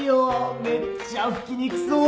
めっちゃ拭きにくそう。